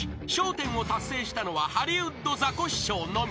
１０を達成したのはハリウッドザコシショウのみ］